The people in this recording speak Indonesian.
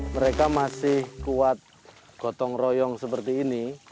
mereka masih kuat gotong royong seperti ini